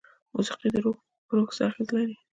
موسیقي په روح څه اغیزه لري؟